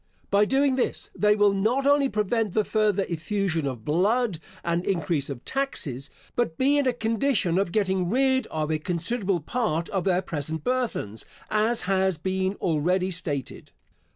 By doing this they will not only prevent the further effusion of blood, and increase of taxes, but be in a condition of getting rid of a considerable part of their present burthens, as has been already stated.